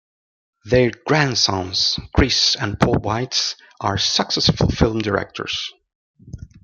Their grandsons, Chris and Paul Weitz, are successful film directors.